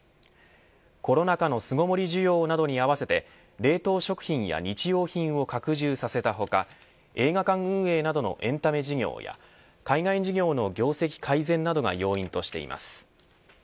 コロナ禍の巣ごもり需要などに合わせて冷凍食品や日用品を拡充させた他映画館運営などのエンタメ事業や海外事業の業績改善などが要因としています。